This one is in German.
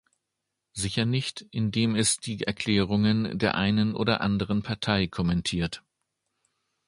Sicher nicht, indem es die Erklärungen der einen oder anderen Partei kommentiert.